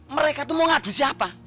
mereka itu mau ngadu siapa